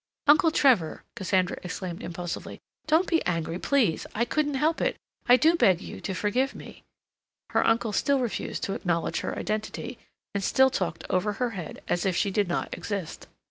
"Uncle Trevor," Cassandra exclaimed impulsively, "don't be angry, please. I couldn't help it; I do beg you to forgive me." Her uncle still refused to acknowledge her identity, and still talked over her head as if she did not exist.